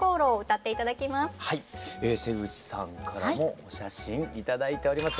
瀬口さんからもお写真頂いております。